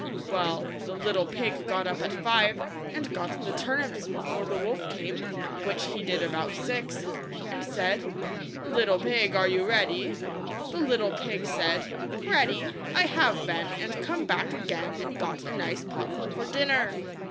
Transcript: Well, the little pig got up at five, and got the turnips before the wolf came — which he did about six — and said, " Little pig are you ready?" The little pig said, " Ready ? I have been, and come back again, and got a nice potful for dinner."